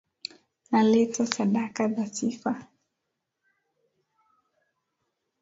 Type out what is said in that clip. Naleta sadaka za sifa.